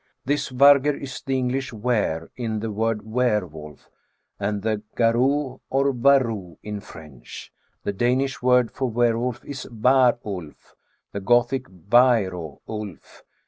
This vargr is the English were, in the word were wolf, and the garou or varou in French. The Danish word for were wolf is var vlf, the Gothic vairo" ulf.